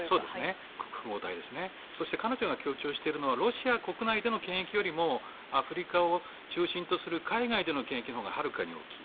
そして彼女が強調しているのはロシア国内での権益よりもアフリカを中心とする海外での権益のほうがはるかに大きい。